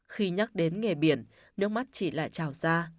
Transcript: khi nhắc đến nghề biển nước mắt chỉ lại trào ra